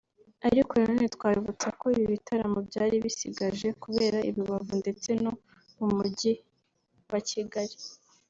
Ariko nanone twabibutsa ko ibi bitaramo byari bisigaje kubera i Rubavu ndetse no mu mujyi wa Kigali